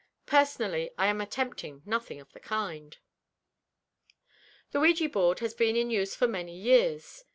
Personally I am attempting nothing of the kind." The ouija board has been in use for many years.